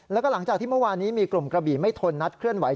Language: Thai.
แล้วก็หลังจากที่เมื่อวานนี้มีกลุ่มกระบี่ไม่ทนนัดเคลื่อนไห